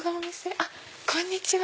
あっこんにちは。